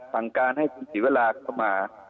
สั่งการให้พี่สิเวลาเข้ามา